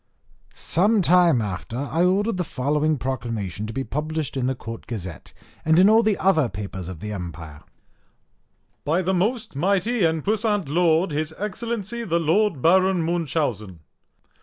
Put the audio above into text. _ Some time after I ordered the following proclamation to be published in the Court Gazette, and in all the other papers of the empire: BY THE MOST MIGHTY AND PUISSANT LORD, HIS EXCELLENCY THE LORD BARON MUNCHAUSEN.